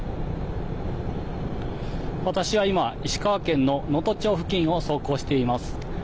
私は今、石川県の能登町付近を走行しています。